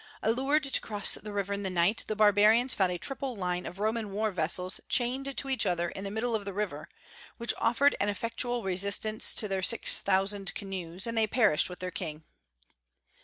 Allured to cross the river in the night, the barbarians found a triple line of Roman war vessels chained to each other in the middle of the river, which offered an effectual resistance to their six thousand canoes, and they perished with their king.